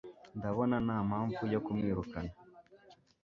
ndabona ntampamvu yo kumwirukana